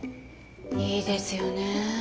いいですよねえ。